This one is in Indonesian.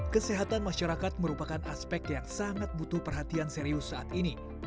kesehatan masyarakat merupakan aspek yang sangat butuh perhatian serius saat ini